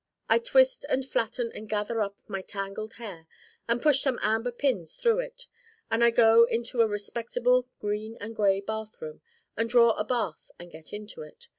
I twist and flatten and gather up my tangled hair and push some amber pins through it. And I go into a respectable green and gray bathroom and draw a bath and get into it.